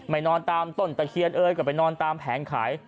นอนตามต้นตะเคียนเอยก็ไปนอนตามแผงขาย